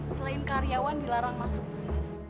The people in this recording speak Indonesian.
selain karyawan dilarang masuk bus